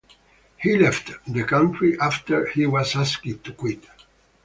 He left the country after he was asked to quit.